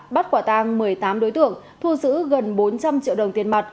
bắt quả tang một mươi tám đối tượng thu giữ gần bốn trăm linh triệu đồng tiền mặt